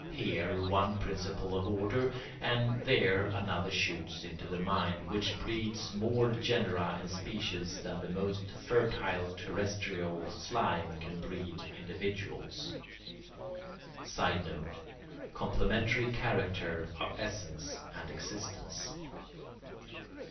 Here one principle of order and there another shoots into the mind, which breeds more genera and species than the most fertile terrestrial slime can breed individuals. [Sidenote: Complementary character of essence and existence.